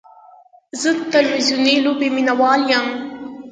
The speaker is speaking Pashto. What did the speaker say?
زه د تلویزیوني لوبې مینهوال یم.